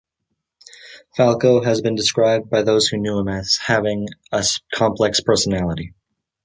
Falco has been described by those who knew him as having a complex personality.